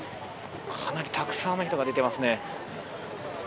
かなりたくさんの人が出ていますね。